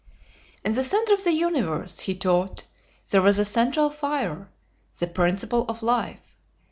In the centre of the universe (he taught) there was a central fire, the principle of life.